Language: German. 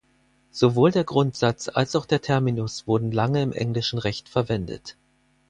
Sowohl der Grundsatz als auch der Terminus wurden lange im englischen Recht verwendet.